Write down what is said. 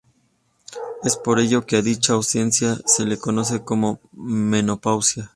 Es por ello que a dicha ausencia se le conoce como menopausia.